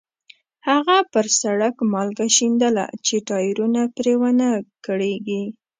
هغه پر سړک مالګه شیندله چې ټایرونه پرې ونه کړېږي.